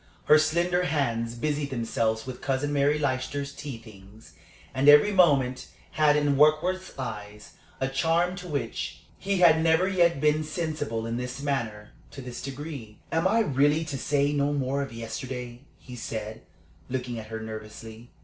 Her slender hands busied themselves with Cousin Mary Leicester's tea things; and every movement had in Warkworth's eyes a charm to which he had never yet been sensible, in this manner, to this degree. "Am I really to say no more of yesterday?" he said, looking at her nervously.